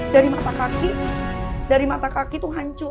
dari mata kaki dari mata kaki itu hancur